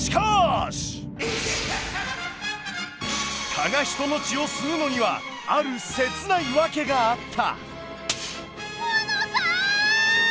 蚊が人の血を吸うのにはあるせつないワケがあった。